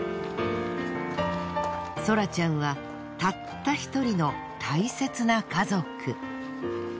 ソラちゃんはたった一人の大切な家族。